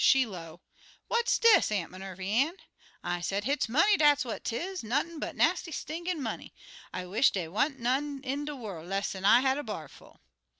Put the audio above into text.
She low, 'What's dis, Aunt Minervy Ann?' I say, 'Hit's money, dat what 'tis nothin' but nasty, stinkin' money! I wish dey wan't none in de worl' less'n I had a bairlful.'